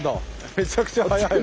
めちゃくちゃ速いわ。